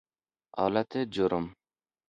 آلت جرم